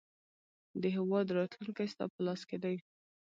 د هیواد راتلونکی ستا په لاس کې دی.